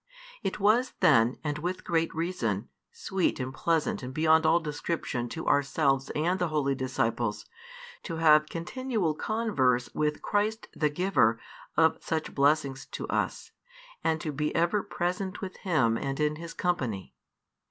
It was then, and with great reason, sweet and pleasant beyond all description to ourselves and the holy disciples, to have continual converse with Christ the Giver of such blessings to us, and to be ever present with Him and in His company.